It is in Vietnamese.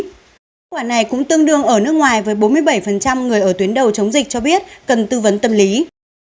kết quả này cũng tương đương ở nước ngoài với bốn mươi bảy người ở tuyến đầu chống dịch cho biết cần tư vấn tâm lý